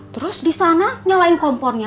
terus disana nyalain kompornya